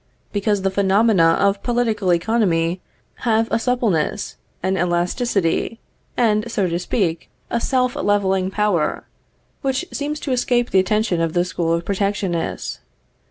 Because the phenomena of political economy have a suppleness, an elasticity, and, so to speak, a self leveling power, which seems to escape the attention of the school of protectionists.